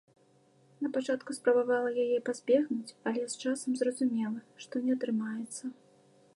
На пачатку спрабавала яе пазбегнуць, але з часам зразумела, што не атрымаецца.